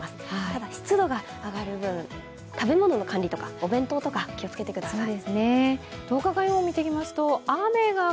ただ、湿度が上がる分、食べ物の管理とか、お弁当とか気をつけてください。